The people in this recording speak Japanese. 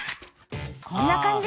［こんな感じ］